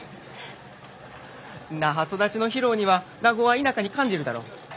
那覇育ちの博夫には名護は田舎に感じるだろ？